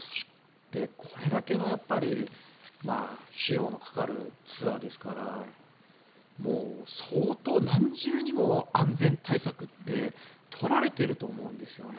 これだけの費用のかかるツアーですから相当、何重にも安全対策って取られていると思うんですよね。